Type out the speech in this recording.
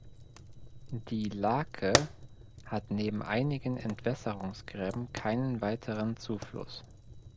Die Laake hat neben einigen Entwässerungsgräben keinen weiteren Zufluss.